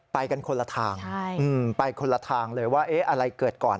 ไปกันคนละทางไปคนละทางเลยว่าอะไรเกิดก่อน